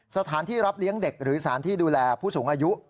สถานที่รับเลี้ยงเด็กหรือสถานที่ดูแลผู้สูงอายุ